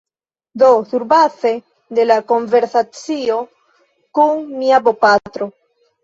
Do, surbaze de la konversacio kun mia bopatro